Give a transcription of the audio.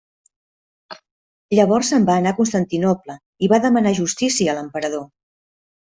Llavors se'n va anar a Constantinoble i va demanar justícia a l'emperador.